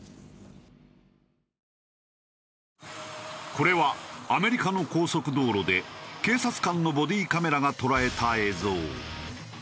これはアメリカの高速道路で警察官のボディーカメラが捉えた映像。